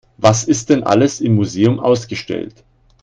Was ist denn alles im Museum ausgestellt?